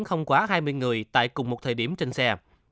không quá hai mươi người tại cùng một thời điểm trên xe